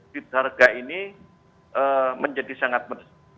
bid harga ini menjadi sangat mendes